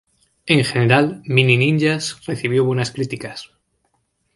En general, Mini Ninjas recibió buenas críticas.